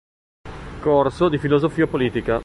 Corso di filosofia politica".